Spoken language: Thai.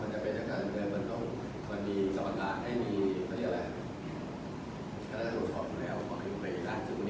มันเป็นอย่างเมื่อเราก่อนจำการแล้วจะได้แค่เดิมใช้มันอยู่ก่อน